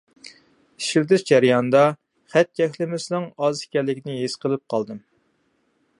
ئىشلىتىش جەريانىدا خەت چەكلىمىسىنىڭ ئاز ئىكەنلىكىنى ھېس قىلىپ قالدىم.